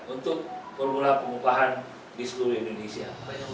untuk formula pengupahan di seluruh indonesia